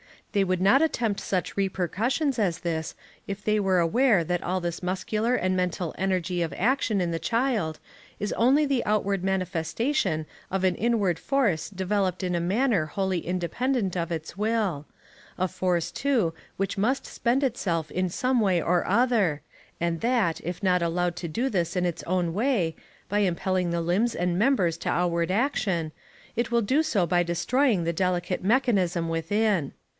They would not attempt such repressions as this if they were aware that all this muscular and mental energy of action in the child is only the outward manifestation of an inward force developed in a manner wholly independent of its will a force, too, which must spend itself in some way or other, and that, if not allowed to do this in its own way, by impelling the limbs and members to outward action, it will do so by destroying the delicate mechanism within.